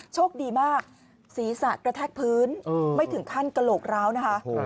โชคดีมากศีรษะกระแทกพื้นไม่ถึงขั้นกระโหลกร้าวนะคะ